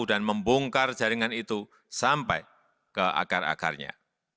membongkar jaringan itu sampai ke akar akarnya